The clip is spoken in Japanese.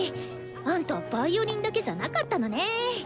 あんたヴァイオリンだけじゃなかったのね。